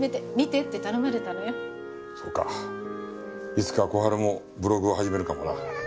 いつか小春もブログを始めるかもな。